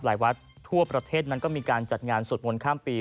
วัดทั่วประเทศนั้นก็มีการจัดงานสวดมนต์ข้ามปี